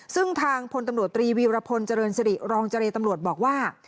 ซึ่งทางพลตำรวจตรีวีรพลเจริญสิริรองเจรตำรวจบอกว่า